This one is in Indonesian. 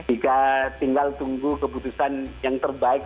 jika tinggal tunggu keputusan yang terbaik